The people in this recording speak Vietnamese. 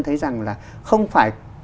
thấy rằng là không phải